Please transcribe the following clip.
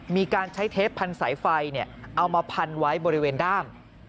มีการใช้เทปพันสายไฟเอามาพันไว้บริเวณด้าม